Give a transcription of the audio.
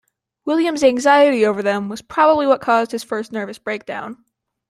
William's anxiety over them was probably what caused his first nervous breakdown.